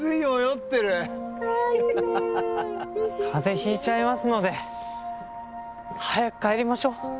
風邪引いちゃいますので早く帰りましょう。